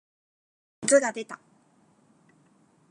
熱が出た。